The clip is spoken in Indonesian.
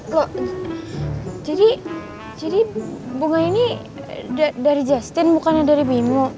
loh jadi bunga ini dari justin bukannya dari bimo